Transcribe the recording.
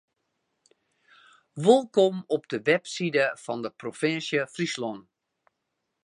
Wolkom op de webside fan de provinsje Fryslân.